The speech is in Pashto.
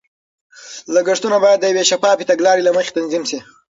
لګښتونه باید د یوې شفافې تګلارې له مخې تنظیم شي.